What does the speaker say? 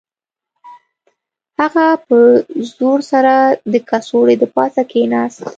هغه په زور سره د کڅوړې د پاسه کښیناست